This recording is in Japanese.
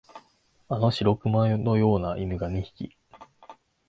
あの白熊のような犬が二匹、